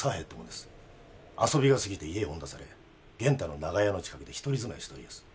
遊びが過ぎて家を追ん出され源太の長屋の近くで一人住まいをしておりやす。